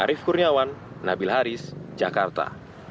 arief kurniawan nabil haris jakarta